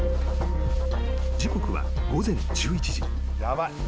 ［時刻は午前１１時］